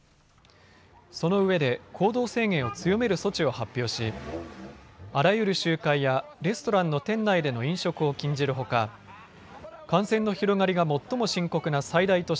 そのうえで行動制限を強める措置を発表しあらゆる集会やレストランの店内での飲食を禁じるほか感染の広がりが最も深刻な最大都市